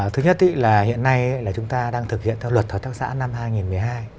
thứ nhất là hiện nay là chúng ta đang thực hiện theo luật hợp tác xã năm hai nghìn một mươi hai